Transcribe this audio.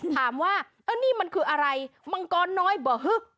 ถามว่านี่มันคืออะไรมังกรน้อยบ่ะฮึ